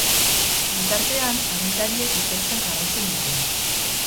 Bitartean, agintariek ikertzen jarraitzen dute.